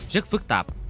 rất phức tạp